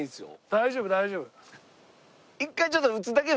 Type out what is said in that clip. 大丈夫大丈夫。